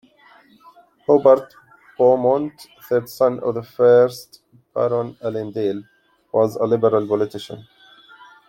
Hubert Beaumont, third son of the first Baron Allendale, was a Liberal politician.